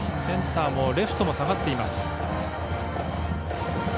センターもレフトも下がっています。